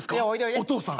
お父さん。